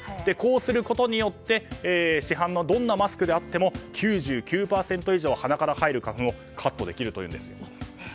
こうすることによって市販のどんなマスクであっても９９％以上、鼻から入る花粉をカットできるというんです。